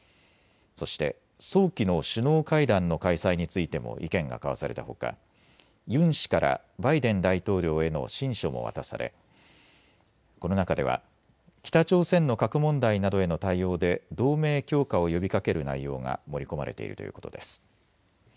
そして早期の首脳会談の開催についても意見が交わされたほかユン氏からバイデン大統領への親書も渡されこの中では北朝鮮の核問題などへの対応で同盟強化を呼びかける内容が盛り込まれているということです。